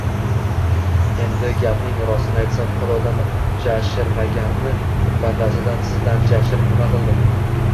Endi, gapding rostini aytsam, Xudodan jashirmaganni bandasidan sizdan jashirib nima qildim